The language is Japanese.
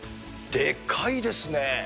でかいですね。